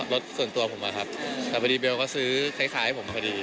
รถส่วนตัวผมอะครับแต่พอดีเบลก็ซื้อคล้ายให้ผมพอดี